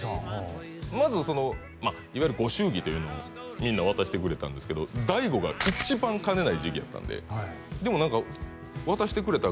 まずそのいわゆるご祝儀というのをみんな渡してくれたんですけど大悟が一番金ない時期やったんででも何か渡してくれた